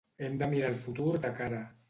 Hem de mirar el futur de cara.